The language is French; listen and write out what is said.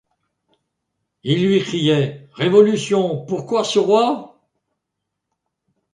Ils lui criaient: Révolution, pourquoi ce roi?